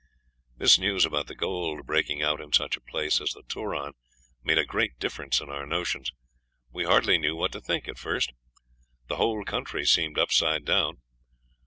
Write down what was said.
This news about the gold breaking out in such a place as the Turon made a great difference in our notions. We hardly knew what to think at first. The whole country seemed upside down.